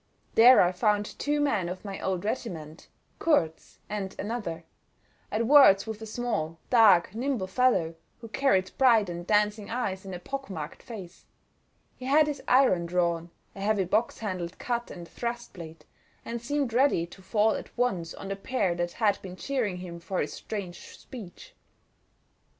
There I found two men of my old regiment—Kurz and another—at words with a small, dark, nimble fellow, who carried bright and dancing eyes in a pock marked face. He had his iron drawn, a heavy box handled cut and thrust blade, and seemed ready to fall at once on the pair that had been jeering him for his strange speech.